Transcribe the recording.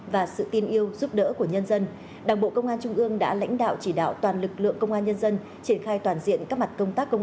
và tôi cảm thấy an toàn khi ở việt nam